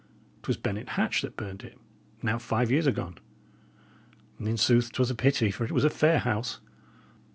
'Twas Bennet Hatch that burned it, now five years agone. In sooth, 'twas pity, for it was a fair house."